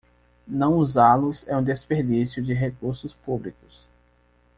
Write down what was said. Não usá-los é um desperdício de recursos públicos.